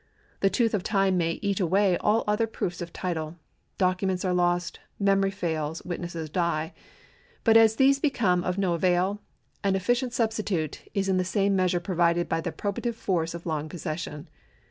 The tooth of time may eat away all other proofs of title. Documents are lost, memory fails, witnesses die. But as these become of no avail, an efficient substitute is in the same measure provided by the probative force of long possession.